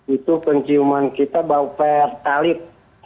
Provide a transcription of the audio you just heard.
itu penciuman kita bau pertalit